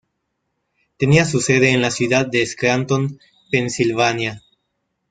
Tenía su sede en la ciudad de Scranton, Pensilvania.